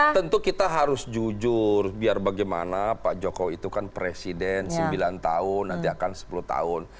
tentu kita harus jujur biar bagaimana pak jokowi itu kan presiden sembilan tahun nanti akan sepuluh tahun